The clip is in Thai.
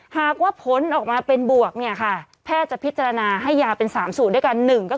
หากว่าผลออกมาเป็นบวกเนี่ยค่ะแพทย์จะพิจารณาให้ยาเป็น๓สูตรด้วยกัน